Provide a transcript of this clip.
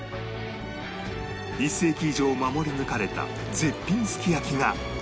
１世紀以上守り抜かれた絶品すき焼きが